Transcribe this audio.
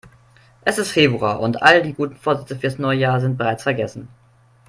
Es ist Februar und all die guten Vorsätze fürs neue Jahr sind bereits vergessen.